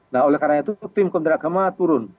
nah oleh karena itu tim kementerian agama turun